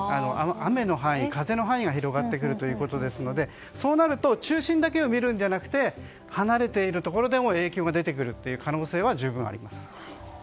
雨の範囲、風の範囲が広がるのでそうなると中心だけを見るのではなくて離れているところでも影響が出てくる可能性は十分にあります。